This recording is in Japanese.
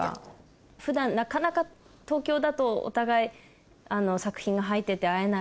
普段なかなか東京だとお互い作品が入ってて会えないとか。